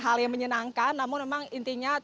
hal yang menyenangkan namun memang intinya